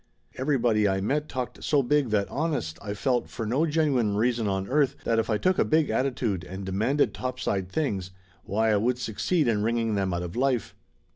Every body I met talked so big that honest, I felt, for no genuine reason on earth, that if I took a big attitude and demanded topside things, why I would succeed in wringing them out of life.